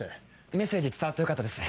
メッセージ伝わってよかったです。